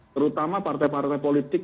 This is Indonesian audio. terutama partai partai politik